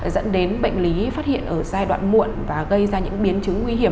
dẫn đến bệnh lý phát hiện ở giai đoạn muộn và gây ra những biến chứng nguy hiểm